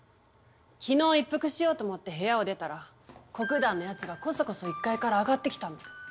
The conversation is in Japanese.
昨日一服しようと思って部屋を出たら黒壇の奴がコソコソ１階から上がって来たの。